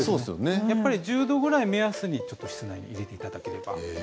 １０度ぐらいを目安に室内に入れていただければ。